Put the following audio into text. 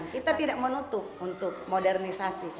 kita tidak menutup untuk modernisasi